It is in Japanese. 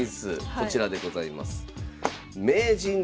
こちらでございます。